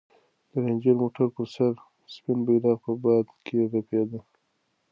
د رنجر موټر پر سر سپین بیرغ په باد کې رپېده.